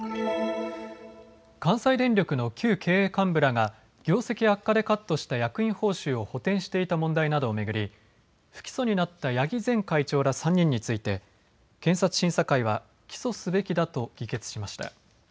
関西電力の旧経営幹部らが業績悪化でカットした役員報酬を補填していた問題などを巡り不起訴になった八木前会長ら３人について、検察審査会は起訴すべきだと議決しました。